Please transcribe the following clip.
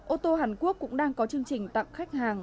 ô tô hàn quốc cũng đang có chương trình tặng khách hàng